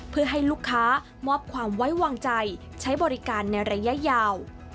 เพื่อให้ลูกค้ามอบความไว้วางใจใช้บริการในระยะยาว